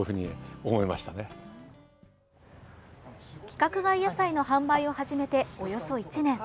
規格外野菜の販売を始めておよそ１年。